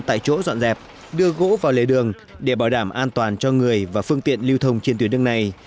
tại chỗ dọn dẹp đưa gỗ vào lề đường để bảo đảm an toàn cho người và phương tiện lưu thông trên tuyến đường này